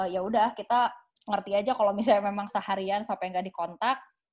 ya udah kita ngerti aja kalau misalnya memang seharian sampai nggak dikontak